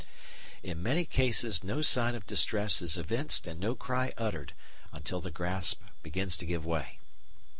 "In many cases no sign of distress is evinced and no cry uttered, until the grasp begins to give way."